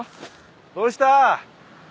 どうした？